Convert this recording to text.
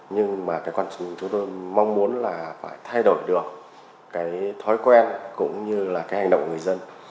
nhưng mà cái quan trọng chúng tôi mong muốn là phải thay đổi được cái thói quen cũng như là cái hành động